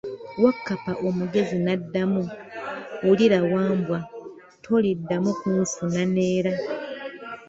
Wakkapa omugezi n'addamu, wulira Wambwa, toliddamu kunfuna neera.